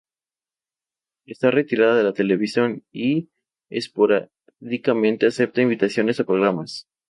Está retirada de la televisión y esporádicamente acepta invitaciones a programas.